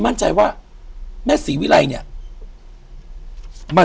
อยู่ที่แม่ศรีวิรัยิลครับ